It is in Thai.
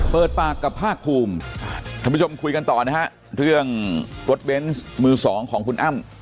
เปิดปากกับภาคภูมิท่านผู้ชมคุยกันต่อนะฮะเรื่องรถเบนส์มือสองของคุณอ้ำ